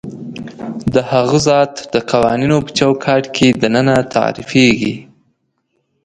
د هغه ذات د قوانینو په چوکاټ کې دننه تعریفېږي.